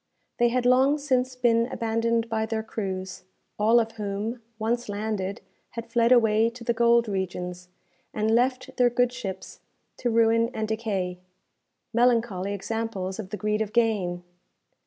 They had long since been abandoned by their crews, all of whom, once landed, had fled away to the gold regions, and left their good ships to ruin and decay melancholy examples of the greed of gain!